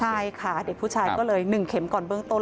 ใช่ค่ะเด็กผู้ชายก็เลย๑เข็มก่อนเบื้องต้น